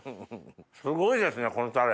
すごいですねこのタレ。